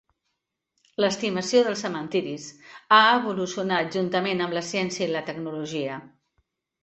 L'estimació dels cementiris ha evolucionat juntament amb la ciència i la tecnologia.